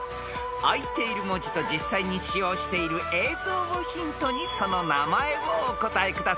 ［あいている文字と実際に使用している映像をヒントにその名前をお答えください］